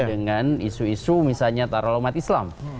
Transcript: dengan isu isu misalnya taruh umat islam